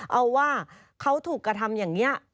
เอาว่าเขาถูกกระทำอย่างนี้